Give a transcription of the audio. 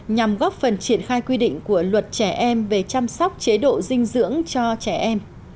nhằm góp phần triển khai quy định của luật trẻ em về chăm sóc chế độ dinh dưỡng cho trẻ em